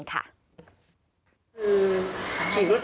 ทุกช่วยทุกคนซึ่ง